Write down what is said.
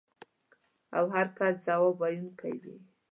او هر کس ځواب ویونکی وي.